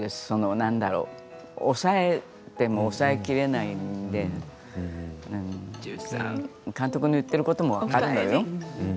何だろう抑えても抑えきれないって監督の言っていることも分かるのよ。